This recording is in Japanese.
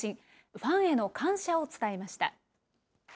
ファンへの感謝を伝えました。